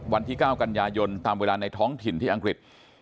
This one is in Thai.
วันที่๙กันยายนตามเวลาในท้องถิ่นที่อังกฤษ